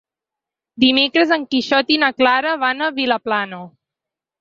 Dimecres en Quixot i na Clara van a Vilaplana.